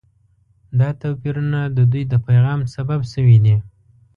دا توپیرونه د دوی د پیغام سبب شوي دي.